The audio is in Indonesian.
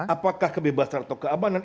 apakah kebebasan atau keamanan